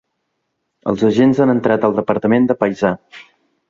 Els agents han entrat al departament de paisà.